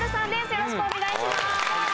よろしくお願いします。